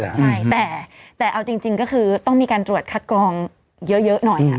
ใช่แต่เอาจริงก็คือต้องมีการตรวจคัดกรองเยอะหน่อยค่ะ